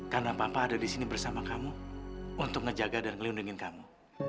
karena papa ada di sini bersama kamu untuk menjaga dan melindungi kamu